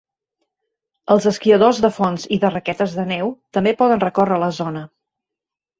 Els esquiadors de fons i de raquetes de neu també poden recórrer la zona.